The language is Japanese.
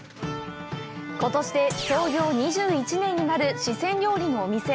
ことしで創業２１年になる四川料理のお店。